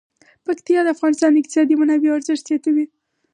پکتیا د افغانستان د اقتصادي منابعو ارزښت زیاتوي.